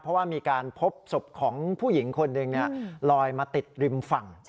เพราะว่ามีการพบศพของผู้หญิงคนหนึ่งลอยมาติดริมฝั่ง